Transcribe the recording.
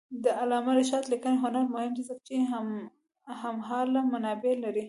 د علامه رشاد لیکنی هنر مهم دی ځکه چې هممهاله منابع لري.